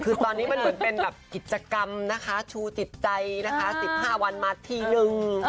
คือตอนนี้มันเหมือนเป็นแบบกิจกรรมนะคะชูจิตใจนะคะ๑๕วันมาทีนึง